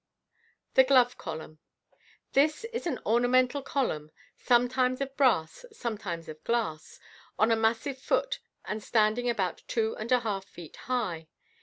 Thb Glove Column. — This is an ornamental column, some times of brass, sometimes of glass, on a massive foot and standing about two and a half feet high.